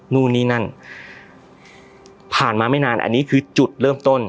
นู่นนี่นั่นผ่านมาไม่นานอันนี้คือจุดเริ่มต้น